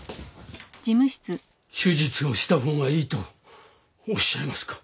手術をしたほうがいいとおっしゃいますか？